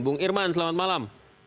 bung irman selamat malam